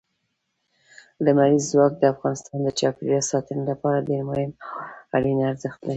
لمریز ځواک د افغانستان د چاپیریال ساتنې لپاره ډېر مهم او اړین ارزښت لري.